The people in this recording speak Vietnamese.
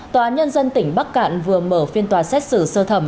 tòa nhân dân tỉnh bắc cạn vừa mở phiên tòa xét xử sơ thẩm